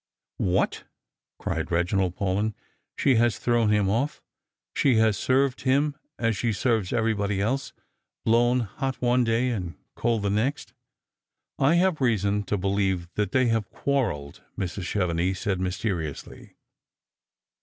" What !" cried Eeginald Paulyn ;" she has thrown him off. She has served him as she serves everybody else, blown hot one day and cold the next." " I have reason to believe that they have quarrelled," Mrs. Chevenix said mysteriously.